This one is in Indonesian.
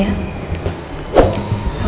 aku mau pergi